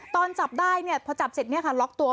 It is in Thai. ต้อนจับได้พอจับเสร็จก็ล็อกตัว